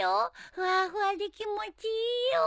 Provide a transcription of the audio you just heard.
ふわふわで気持ちいいよ。